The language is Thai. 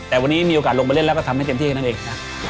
แต่วันนี้มีโอกาสลงไปเล่นแล้วก็ทำให้เต็มที่เท่านั้นเองนะ